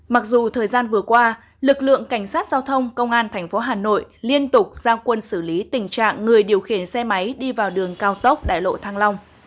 mặc dù thời gian vừa qua lực lượng cảnh sát giao thông công an tp hà nội liên tục giao quân xử lý tình trạng người điều khiển xe máy đi vào đường cao tốc đại lộ thăng long